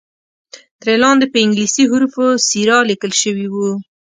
ترې لاندې په انګلیسي حروفو سیرا لیکل شوی وو.